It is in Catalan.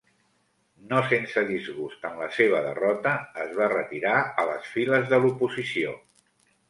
No sense disgust en la seva derrota, es va retirar a les files de l'oposició.